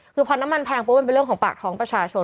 คือพอน้ำมันแพงปุ๊บมันเป็นเรื่องของปากท้องประชาชน